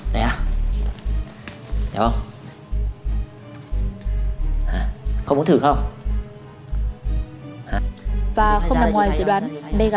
màu hồng này đấy